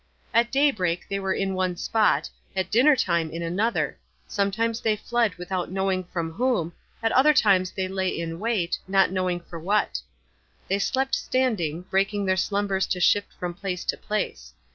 At daybreak they were in one spot, at dinner time in another; sometimes they fled without knowing from whom, at other times they lay in wait, not knowing for what. They slept standing, breaking their slumbers to shift from place to place.